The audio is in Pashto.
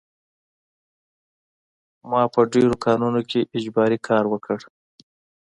ما په ډېرو کانونو کې اجباري کار وکړ